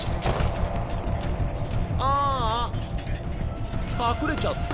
あぁあ隠れちゃった。